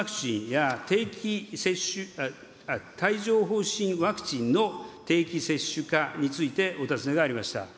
帯状ほう疹ワクチンの定期接種化について、お尋ねがありました。